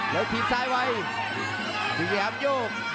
แล้วทิ้งซ้ายไว้สิงสยามยุ่ง